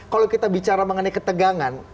kalau kita bicara mengenai ketegangan